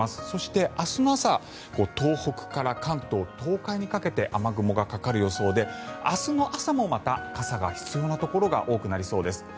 そして明日の朝、東北から関東東海にかけて雨雲がかかる予想で明日の朝もまた傘が必要なところが多くなりそうです。